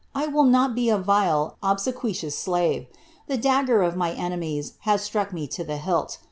I wdl not be a vile, obsequious slave. The dasger tf my enemies has struck me to the hilt.